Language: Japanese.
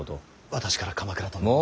私から鎌倉殿に。